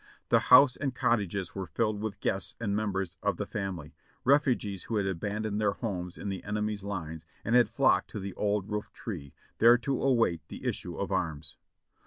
The house and cottages were filled with guests and members of the family, refugees who had abandoned their homes in the enem3^'s lines and had flocked to the old roof tree, there to await the issue of arms.